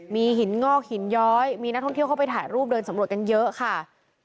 มีหินงอกหินย้อยมีนักท่องเที่ยวเข้าไปถ่ายรูปเดินสำรวจกันเยอะค่ะ